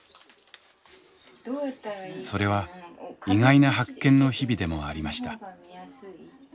それは意外な発見の日々でもありました。